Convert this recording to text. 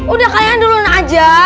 udah kalian duluan aja